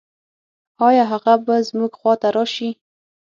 آيا هغه به زموږ خواته راشي؟